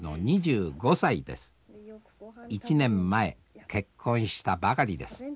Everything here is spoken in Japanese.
１年前結婚したばかりです。